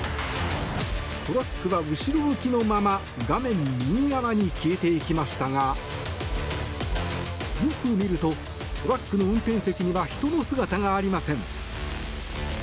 トラックは後ろ向きのまま画面右側に消えていきましたがよく見るとトラックの運転席には人の姿がありません。